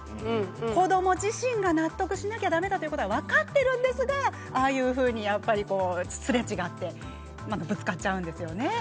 子ども自身が納得しなきゃだめだということは分かっているんですがああいうふうにやっぱりすれ違ってぶつかっちゃうんですよね。